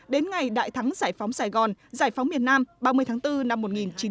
đến ngày đại thắng giải phóng sài gòn giải phóng miền nam ba mươi tháng bốn năm một nghìn chín trăm bảy mươi năm